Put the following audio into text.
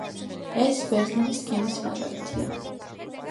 ეს ბერნულის სქემის მაგალითია.